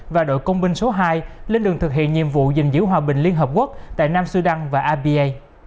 và đội công binh số hai lên đường thực hiện nhiệm vụ gìn giữ hòa bình liên hợp quốc tại nam sudan và apa